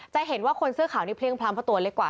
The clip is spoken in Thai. จะเห็นว่าคนเสื้อขาวนี่เพลี่ยงพล้ำเพราะตัวเล็กกว่า